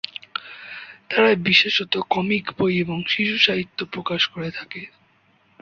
তারা বিশেষত কমিক বই এবং শিশুসাহিত্য প্রকাশ করে থাকে।